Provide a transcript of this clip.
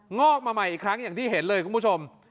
งอกมาใหม่อีกครั้งอย่างที่เห็นเลยคุณผู้ชม